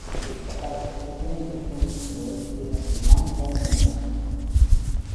El placard es una invención del diseñador chileno Germán Gana Muñoz.